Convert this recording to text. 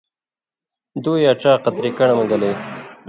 دُو یا ڇا قطری کن٘ڑہۡ مہ گلی۔